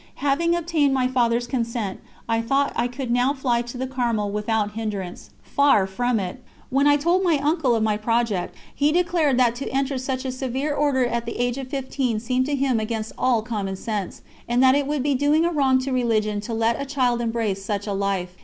Having obtained my Father's consent, I thought I could now fly to the Carmel without hindrance. Far from it! When I told my uncle of my project, he declared that to enter such a severe Order at the age of fifteen seemed to him against all common sense, and that it would be doing a wrong to religion to let a child embrace such a life.